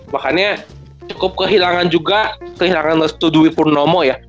makanya cukup kehilangan juga kehilangan restu dwi purnomo ya